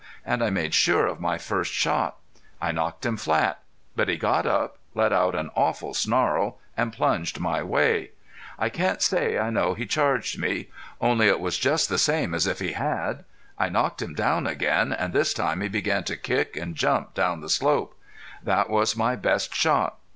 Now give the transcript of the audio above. And I made sure of my first shot. I knocked him flat. But he got up let out an awful snarl and plunged my way. I can't say I know he charged me. Only it was just the same as if he had!... I knocked him down again and this time he began to kick and jump down the slope. That was my best shot.